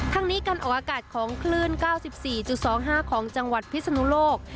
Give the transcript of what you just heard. ทั้งนี้การออกอากาศของคลื่น๙๔๒๕ของจังหวัดพิศนุโลก